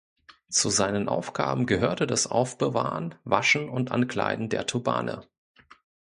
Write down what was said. Zu seinen Aufgaben gehörte das Aufbewahren, Waschen und Ankleiden der Turbane.